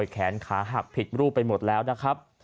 แขนขาหักผิดรูปไปหมดแล้วนะครับ